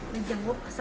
menjemur pasal ini ya